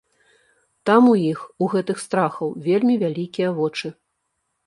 Там у іх, у гэтых страхаў, вельмі вялікія вочы.